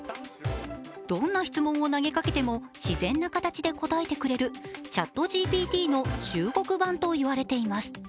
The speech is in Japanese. どんな質問を投げかけても自然な形で答えてくれるＣｈａｔＧＰＴの中国版といわれています